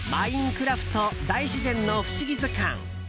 クラフト大自然のふしぎ図鑑」。